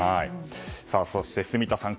そして住田さん